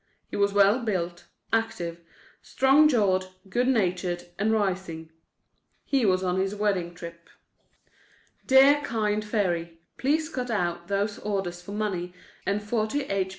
He was well built, active, strong jawed, good natured and rising. He was on his wedding trip. Dear kind fairy, please cut out those orders for money and 40 H.